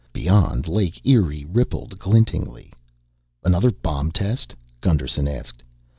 Beyond, Lake Erie rippled glintingly. "Another bomb test?" Gusterson asked.